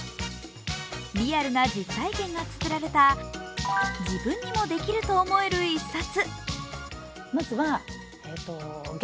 リアルな実体験がつづられた自分にもできると思える一冊。